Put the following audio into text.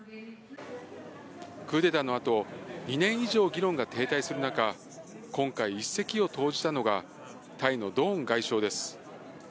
クーデターのあと、２年以上議論が停滞する中、今回、一石を投じたのが、タイのドーン外相です。